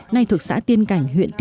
nay thuộc xã tiên cảnh